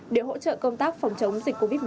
để hỗ trợ công tác phòng chống dịch covid một mươi